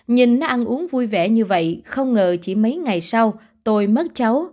nhìn nó ăn uống vui vẻ như vậy không ngờ chỉ mấy ngày sau tôi mất cháu